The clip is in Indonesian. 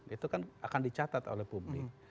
itu kan akan dicatat oleh publik